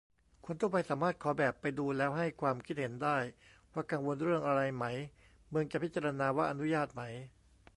คนทั่วไปสามารถขอแบบไปดูแล้วให้ความคิดเห็นได้ ว่ากังวลเรื่องอะไรไหม เมืองจะพิจารณาว่าอนุญาตไหม